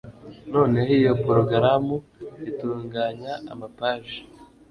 nanone iyo porogaramu itunganya amapaji